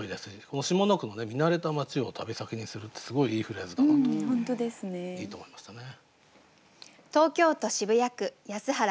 この下の句の「見慣れた街を旅先にする」ってすごいいいフレーズだなと思っていいと思いましたね。